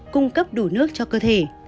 cung cấp đủ nước cho cơ thể